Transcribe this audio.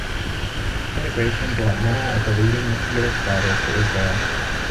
Immigration brought many of the leading Yiddish writers to Israel.